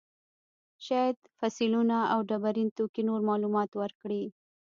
شاید فسیلونه او ډبرین توکي نور معلومات ورکړي.